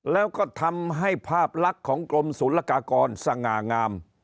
แล้วก็ทำให้ภาพลักษณ์ของกรมศูนย์ละกากรสง่างาม